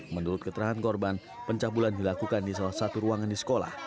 menurut keterangan korban pencabulan dilakukan di salah satu ruangan di sekolah